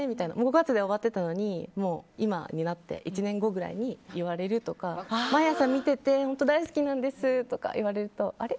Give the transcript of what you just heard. ５月に終わってたのに今になって１年後ぐらいに言われるとか毎朝見ていて本当大好きなんですって言われるとあれ？